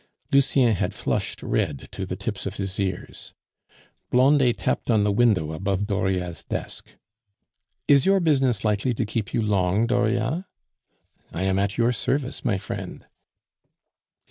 Lucien had flushed red to the tips of his ears. Blondet tapped on the window above Dauriat's desk. "Is your business likely to keep you long, Dauriat?" "I am at your service, my friend."